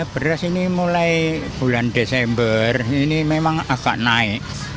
beras ini mulai bulan desember ini memang agak naik